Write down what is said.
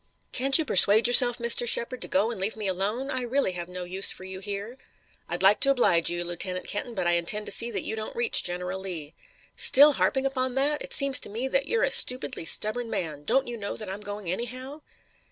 Can't you persuade yourself, Mr. Shepard, to go and leave me alone? I really have no use for you here." "I'd like to oblige you, Lieutenant Kenton, but I intend to see that you don't reach General Lee." "Still harping upon that? It seems to me that you're a stupidly stubborn man. Don't you know that I'm going anyhow?"